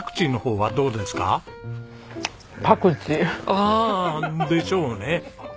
ああでしょうね。